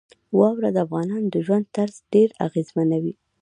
واوره د افغانانو د ژوند طرز ډېر اغېزمنوي.